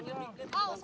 bikin di sini pak